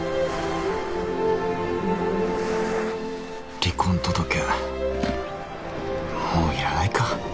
離婚届もういらないか。